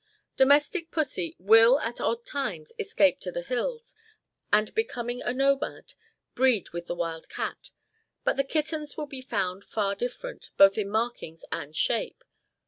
Domestic pussy will, at odd times, escape to the hills, and, becoming a nomad, breed with the wild cat; but the kittens will be found far different, both in markings and shape.